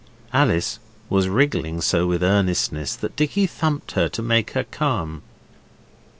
Alice was wriggling so with earnestness that Dicky thumped her to make her calm.